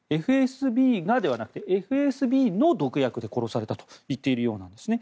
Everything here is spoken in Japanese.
ＦＳＢがではなくＦＳＢの毒薬で殺されたと言っているようなんですね。